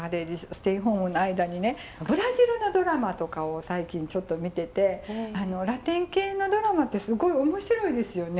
ブラジルのドラマとかを最近ちょっと見ててあのラテン系のドラマってすごい面白いですよね！